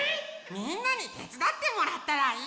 みんなにてつだってもらったらいいんじゃない？